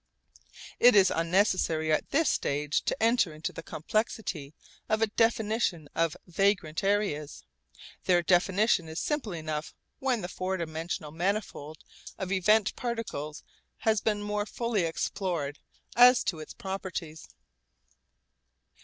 It is unnecessary at this stage to enter into the complexity of a definition of vagrant areas. Their definition is simple enough when the four dimensional manifold of event particles has been more fully explored as to its properties.